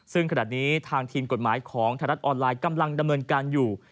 ซึ่งขณะนี้ทางทีมกฎหมายของไทยรัฐออนไลน์กำลังดำเนินการอยู่